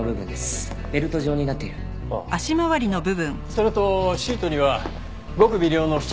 それとシートにはごく微量の付着物もありました。